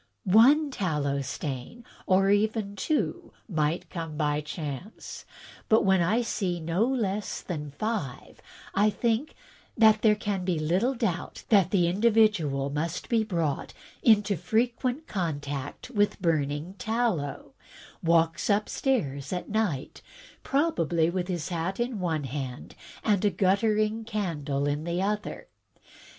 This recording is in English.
" One tallow stain, or even two, might come by chance; but when I see no less than five, I think that there can be little doubt that the individual must be brought into frequent contact with burning tallow; walks upstairs at night, probably with his hat in one hand and a guttering candle in the other.